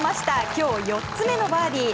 今日４つ目のバーディー。